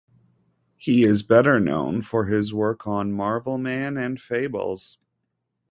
He is better known for his work on "Marvelman" and "Fables".